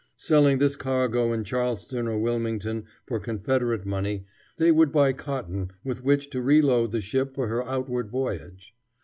Selling this cargo in Charleston or Wilmington for Confederate money, they would buy cotton with which to reload the ship for her outward voyage.